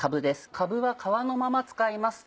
かぶは皮のまま使います。